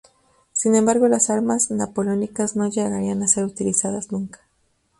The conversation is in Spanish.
Sin embargo las armas napoleónicas no llegarían a ser utilizadas nunca.